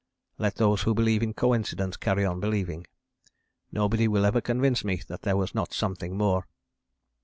Let those who believe in coincidence carry on believing. Nobody will ever convince me that there was not something more.